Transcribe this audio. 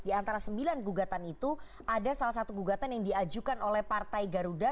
di antara sembilan gugatan itu ada salah satu gugatan yang diajukan oleh partai garuda